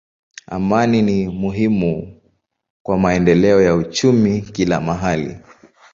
Amani ni muhimu kwa maendeleo ya uchumi kila mahali.